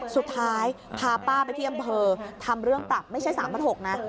สุดท้ายพาป้าไปที่อำเภอทำเรื่องปรับไม่ใช่๓๖๐๐นะ